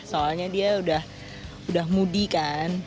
soalnya dia sudah mudi kan